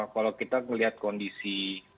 kalau kita melihat kondisi